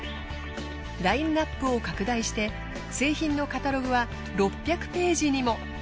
ラインアップを拡大して製品のカタログは６００ページにも。